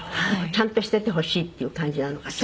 「ちゃんとしていてほしいっていう感じなのかしらね」